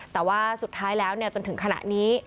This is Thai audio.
แต่ว่าสุดท้ายแล้วจนถึงขณะนี้